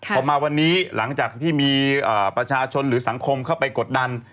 พอมาวันนี้หลังจากที่มีประชาชนหรือสังคมเข้าไปกดดัน